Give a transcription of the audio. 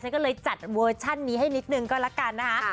ก็เลยจัดเวอร์ชันนี้ให้นิดนึงก็ละกันนะคะ